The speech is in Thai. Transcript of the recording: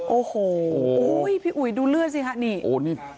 โอ้โฮโอ้ยพี่อุ๋ยดูเลือดสิฮะนี่โอ๊ยนี่